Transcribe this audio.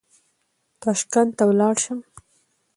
تاشکند ته ولاړ شم.